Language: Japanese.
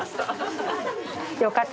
よかった。